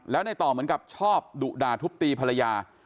แล้วในต่อเหมือนกับชอบดุด่าทุบตีภรรยา